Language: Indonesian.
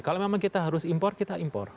kalau memang kita harus impor kita impor